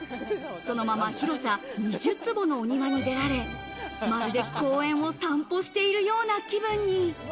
そのまま広さ２０坪のお庭に出られ、まるで公園を散歩しているような気分に。